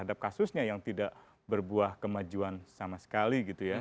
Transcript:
jadi itu adalah kasusnya yang tidak berbuah kemajuan sama sekali gitu ya